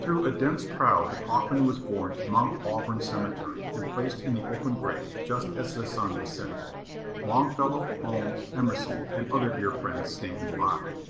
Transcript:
Through a dense crowd the coffin was borne to Mount Auburn cemetery, and placed in the open grave just as the sun was setting, Longfellow, Holmes, Emerson, and other dear friends standing by.